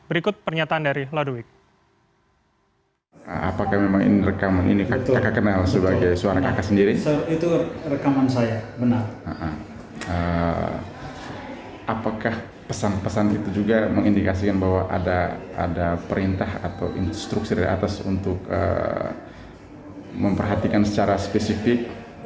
berikut pernyataan dari lodowik